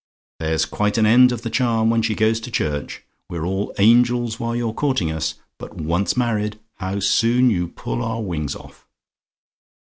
There's quite an end of the charm when she goes to church! We're all angels while you're courting us; but once married, how soon you pull our wings off!